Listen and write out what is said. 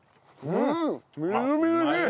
うんみずみずしい！